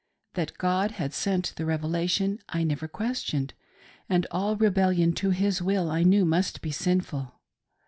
That God had sent the Revelation I never questioned, and all rebellion to His will I knew must be sinful.